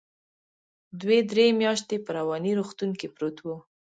دى درې مياشتې په رواني روغتون کې پروت و.